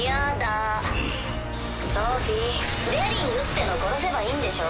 デリングってのを殺せばいいんでしょ？